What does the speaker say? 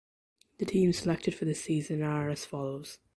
The teams selected for this season are as follows.